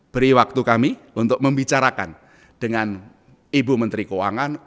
beri waktu kami untuk membicarakan dengan ibu menteri keuangan